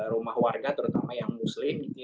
rumah warga terutama yang muslim gitu ya